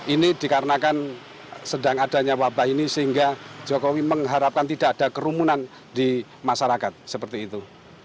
ini dikarenakan sedang adanya wabah ini sehingga jokowi mengharapkan tidak ada kerumunan di masyarakat seperti itu